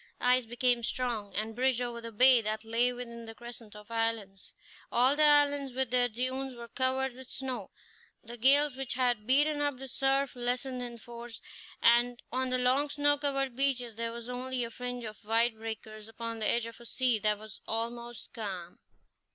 The ice became strong, and bridged over the bay that lay within the crescent of islands. All the islands, with their dunes, were covered with snow; the gales which had beaten up the surf lessened in force; and on the long snow covered beaches there was only a fringe of white breakers upon the edge of a sea that was almost calm.